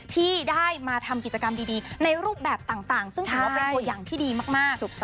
ที่ได้มาทำกิจกรรมดีในรูปแบบต่างซึ่งถือว่าเป็นตัวอย่างที่ดีมาก